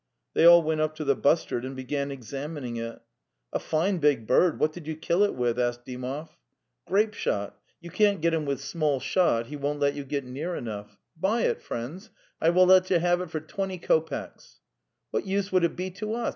They all went up to the bustard and began exam ining it. '"A fine big bird; what did you kill it with?" asked Dymov. '"Grape shot. You can't get him with small shot, The Steppe pCa | he won't let you get near enough. Buy it, friends! I will let you have it for twenty kopecks."' "What use would it be to us?